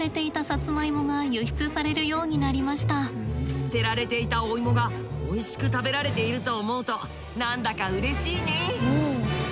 捨てられていたお芋がおいしく食べられていると思うと何だかうれしいね。